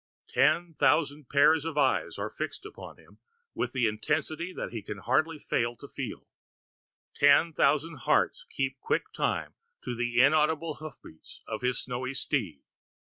Ten thousand pairs of eyes are fixed upon him with an intensity that he can hardly fail to feel; ten thousand hearts keep quick time to the inaudible hoof beats of his snowy steed.